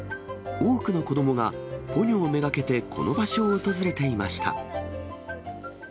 多くの子どもが、ポニョを目がけてこの場所を訪れていました。